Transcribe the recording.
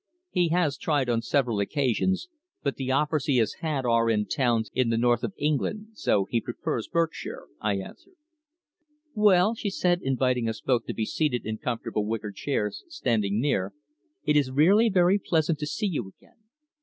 "He has tried on several occasions, but the offers he has had are in towns in the North of England, so he prefers Berkshire," I answered. "Well," she said, inviting us both to be seated in comfortable wicker chairs standing near, "it is really very pleasant to see you again.